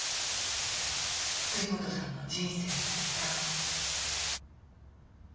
辻本さんの人生の一端を。